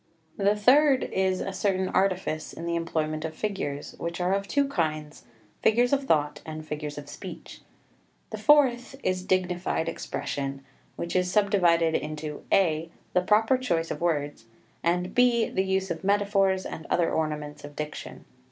The third is (3) a certain artifice in the employment of figures, which are of two kinds, figures of thought and figures of speech. The fourth is (4) dignified expression, which is sub divided into (a) the proper choice of words, and (b) the use of metaphors and other ornaments of diction.